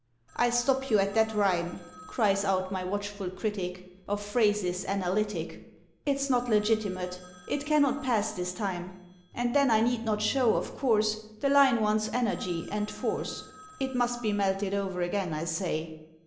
"I stop you at that rhyme," Cries out my watchful critic, Of phrases analytic; "It's not legitimate; it cannot pass this time. And then I need not show, of course, The line wants energy and force; It must be melted o'er again, I say."